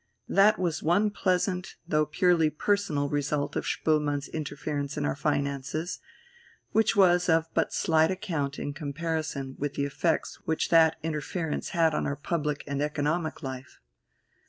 That was one pleasant though purely personal result of Spoelmann's interference in our finances, which was of but slight account in comparison with the effects which that interference had on our public and economic life.